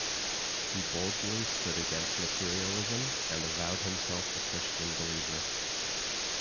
He boldly stood against materialism and avowed himself a Christian believer.